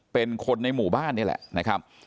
เป็นคนในหมู่บ้านนี่แหละนะครับ